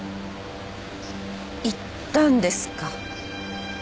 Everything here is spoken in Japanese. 行ったんですか？